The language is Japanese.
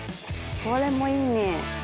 これもいいね。